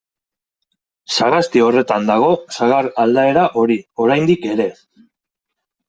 Sagasti horretan dago sagar aldaera hori, oraindik ere.